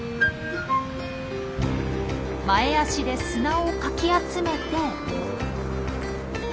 前足で砂をかき集めて。